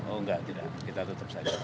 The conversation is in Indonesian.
oh enggak tidak kita tetap saja